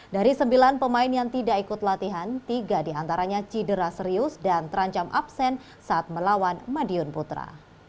dari sembilan pemain yang tidak ikut latihan tiga diantaranya cedera serius dan terancam absen saat melawan madiun putra